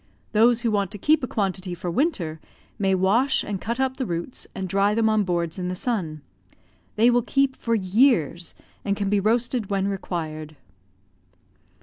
Those who want to keep a quantity for winter use may wash and cut up the roots, and dry them on boards in the sun. They will keep for years, and can be roasted when required.